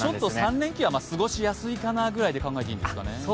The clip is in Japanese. ３連休は過ごしやすいかなぐらいで考えていいんですか？